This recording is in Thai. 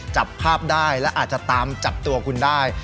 จับภาพได้และอาจจะตามจับตัวคุณได้